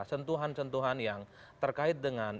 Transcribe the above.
sentuhan sentuhan yang terkait dengan